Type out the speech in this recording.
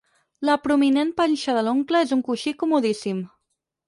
La prominent panxa de l'oncle és un coixí comodíssim.